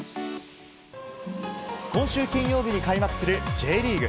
今週金曜日に開幕するＪリーグ。